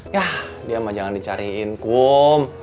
yah dia sama jangan dicariin kum